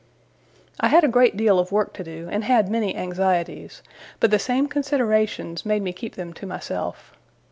I had a great deal of work to do, and had many anxieties, but the same considerations made me keep them to myself.